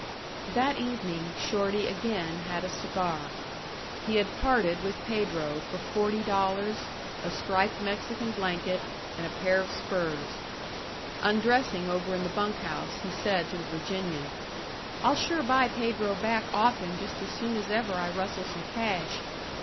That evening Shorty again had a cigar. He had parted with Pedro for forty dollars, a striped Mexican blanket, and a pair of spurs. Undressing over in the bunk house, he said to the Virginian, "I'll sure buy Pedro back off him just as soon as ever I rustle some cash."